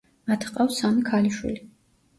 მათ ჰყავთ სამი ქალიშვილი.